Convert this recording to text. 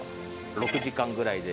６時間ぐらいで。